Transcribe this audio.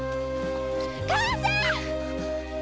母さん！